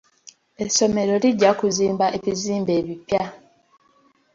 Essomero lijja kuzimba ebizimbe ebipya.